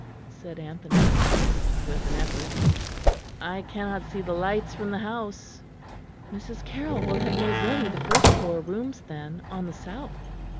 said Anthony at last, with an effort; "I cannot see the lights from the house." "Mrs. Carroll will have made ready the first floor rooms then, on the south."